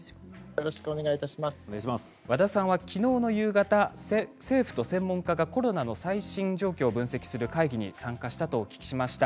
和田さんは、きのうの夕方政府と専門家がコロナの最新状況を分析する会議に参加したとお聞きしました。